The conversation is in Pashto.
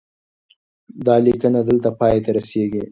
دا لیکنه دلته پای ته رسیږي.